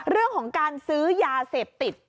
เรื่องของการซื้อยาเสพติด